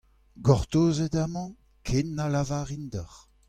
Gortozit amañ ken na lavarin deoc'h.